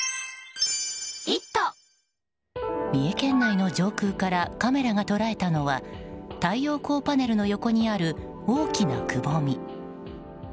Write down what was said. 三重県内の上空からカメラが捉えたのは太陽光パネルの横にある大きなくぼみ。